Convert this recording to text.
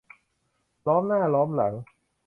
ล้อมหน้าล้อมหลัง